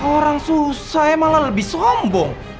orang susah malah lebih sombong